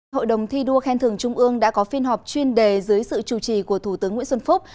hội đồng thi đua khen thưởng trung ương đã có phiên họp chuyên đề dưới sự chủ trì của thủ tướng nguyễn xuân phúc